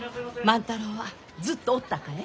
万太郎はずっとおったかえ？